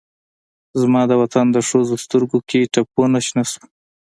زما دوطن د ښځوسترګوکې ټپونه شنه شوه